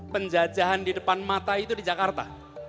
penjajahan di depan mata itu di jakarta